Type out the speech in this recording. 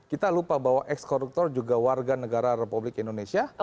kita lupa bahwa ex koruptor juga warga negara republik indonesia